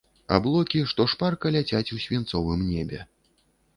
Аблокі, што шпарка ляцяць у свінцовым небе.